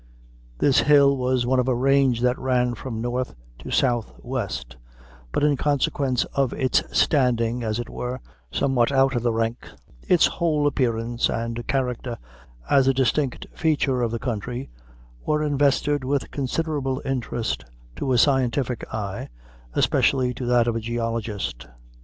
This hill was one of a range that ran from north to southwest; but in consequence of its standing, as it were, somewhat out of the ranks, its whole appearance and character as a distinct feature of the country were invested with considerable interest to a scientific eye, especially to that of a geologist.